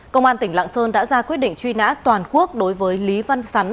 công an tỉnh lạng sơn đã ra quyết định truy nã toàn quốc đối với lý văn sắn